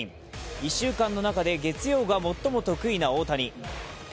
１週間の中で月曜が最も得意な大谷。